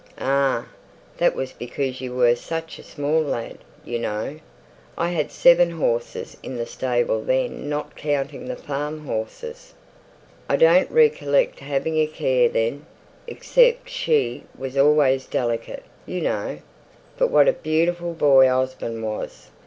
"Ah! that was because you were such a small lad, you know. I'd seven horses in the stable then not counting the farm horses. I don't recollect having a care then, except she was always delicate, you know. But what a beautiful boy Osborne was!